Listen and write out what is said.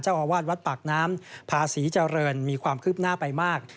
เจ้าอาวาสวัดปากน้ำพาศรีเจริญมีความคืบหน้าไปมาก